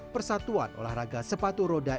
persatuan olahraga sepatu roda